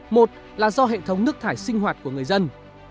một là do hệ thống nước thải sinh hoạt của người dân